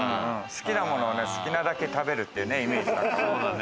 好きなものを好きなだけ食べるっていうイメージ。